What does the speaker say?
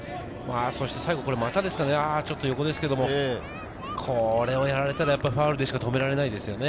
最後は股ですかね、ちょっと横ですけど、これをやられたらファウルでしか止められないですよね。